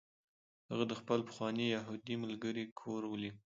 هغه د خپل پخواني یهودي ملګري کور ولید